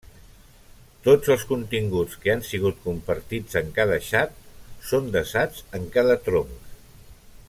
Tots els continguts que han sigut compartits en cada xat són desats en cada tronc.